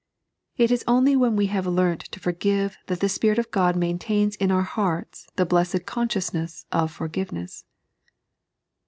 It is only when we have learnt to for give that the Spirit of Ood maintains in our hearts the blessed consciousness of forgiveness.